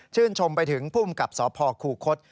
ชื่นชมไปถึงผู้อุ้มกับสพขู่คศ